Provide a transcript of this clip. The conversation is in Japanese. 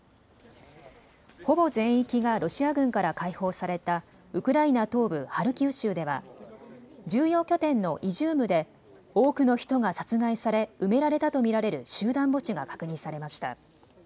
ほぼ全域がロシア軍から解放されたウクライナ東部ハルキウ州では重要拠点のイジュームで多くの人が殺害され埋められたと見られる集団墓地が確認されました。